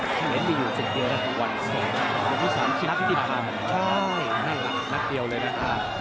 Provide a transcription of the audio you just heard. ที่เห็นมีอยู่สิ่งเดียวนะวันสองวันสามชิ้นทัพที่ที่พาใช่แน่หลักนักเดียวเลยนะครับ